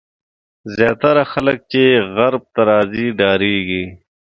زیاتره خلک چې غرب ته راځي ډارېږي.